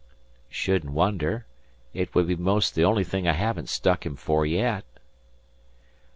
"Shouldn't wonder. It would be 'most the only thing I haven't stuck him for yet."